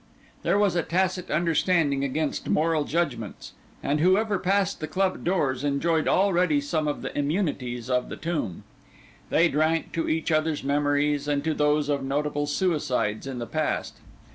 There was a tacit understanding against moral judgments; and whoever passed the club doors enjoyed already some of the immunities of the tomb. They drank to each other's memories, and to those of notable suicides in the past.